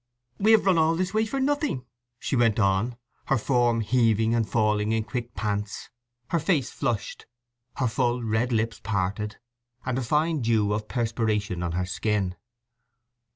"We've run all this way for nothing," she went on, her form heaving and falling in quick pants, her face flushed, her full red lips parted, and a fine dew of perspiration on her skin.